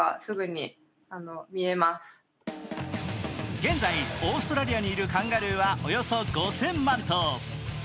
現在オーストラリアにいるカンガルーは、およそ５０００万頭。